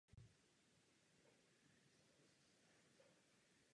Na severovýchodním okraji se sem přibližuje zástavba města Tiberias.